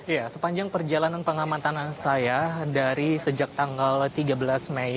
ya sepanjang perjalanan pengamatan saya dari sejak tanggal tiga belas mei